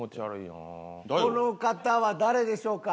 この方は誰でしょうか？